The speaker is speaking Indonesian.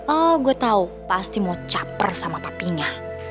oh gue tau pasti mau caper sama papinya